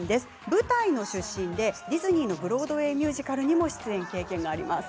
舞台の出身でディズニーのブロードウェイミュージカルにも出演経験があります。